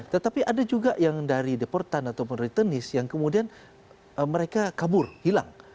tetapi ada juga yang dari deportan ataupun retenis yang kemudian mereka kabur hilang